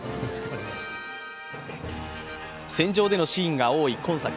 戦場でのシーンが多い今作。